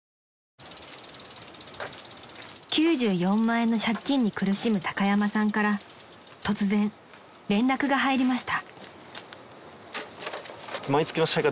円の借金に苦しむ高山さんから突然連絡が入りました］